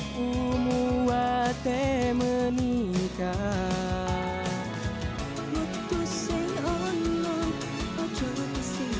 ku melangkiri rencana itu keren